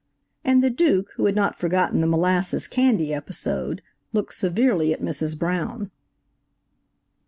And the Duke, who had not forgotten the molasses candy episode, looked severely at Mrs. Brown.